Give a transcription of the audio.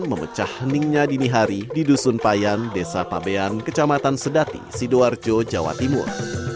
memecah heningnya dini hari di dusun payan desa pabean kecamatan sedati sidoarjo jawa timur